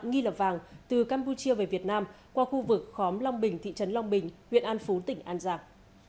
nghi lập vàng từ campuchia về việt nam qua khu vực khóm long bình thị trấn long bình huyện an phú tỉnh an giang